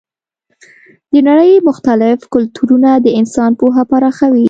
د نړۍ مختلف کلتورونه د انسان پوهه پراخوي.